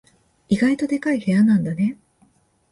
意外とでかい部屋なんだね。